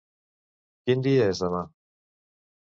Quin dia és demà?